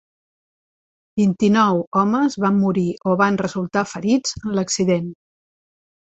Vint-i-nou homes van morir o van resultar ferits en l'accident.